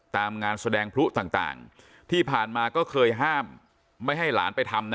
งานแสดงพลุต่างที่ผ่านมาก็เคยห้ามไม่ให้หลานไปทำนะ